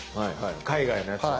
海外のやつは。